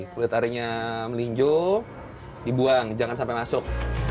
kulit arinya melinjo dibuang jangan sampai masuk